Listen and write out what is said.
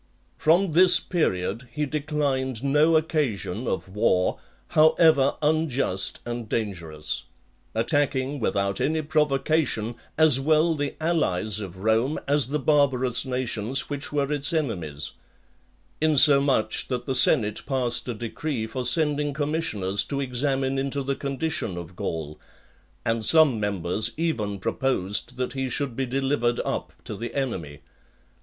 From this period he declined no occasion of war, however unjust and dangerous; attacking, without any provocation, as well the allies of Rome as the barbarous nations which were its enemies: insomuch, that the senate passed a decree for sending commissioners to examine into the condition of Gaul; and some members even proposed that he should be delivered up to the enemy.